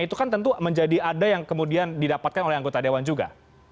itu kan tentu menjadi ada yang kemudian didapatkan oleh anggota dewan juga